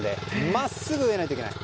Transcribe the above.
真っすぐ植えないといけない。